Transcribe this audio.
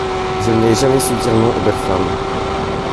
Je n’ai jamais su dire non aux belles femmes.